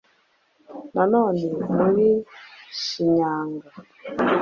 na none muri Shinyanga